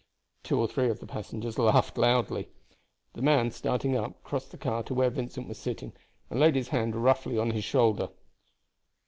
Two or three of the passengers laughed loudly. The man, starting up, crossed the car to where Vincent was sitting and laid his hand roughly on his shoulder.